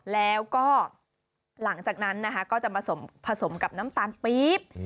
แล้วก็หลังจากนั้นก็จะผสมกับน้ำตาลปรี๊บ